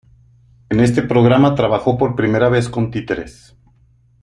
En este programa trabajó por vez primera con títeres.